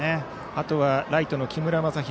あとはライトの木村政裕